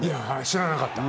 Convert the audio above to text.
知らなかった。